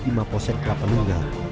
di lima polsek kelapanunggal